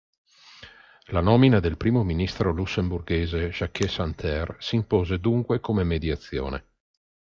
La nomina del primo ministro lussemburghese Jacques Santer si impose dunque come mediazione.